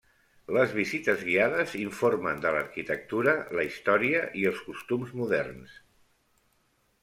Les visites guiades informen de l'arquitectura, la història i els costums moderns.